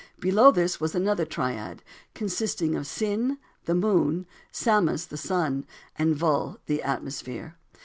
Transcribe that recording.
Below this was another triad, consisting of Sin, the moon; Samas, the sun, and Vul, the atmosphere.